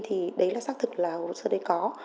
thì đấy là xác thực là hồ sơ đấy có